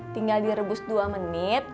tinggal direbus dua menit